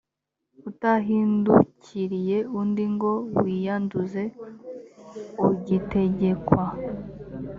utahindukiriye undi ngo wiyanduze ugitegekwa